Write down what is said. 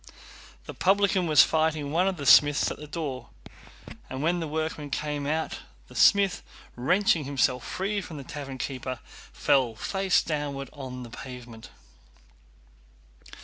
The publican was fighting one of the smiths at the door, and when the workmen came out the smith, wrenching himself free from the tavern keeper, fell face downward on the pavement.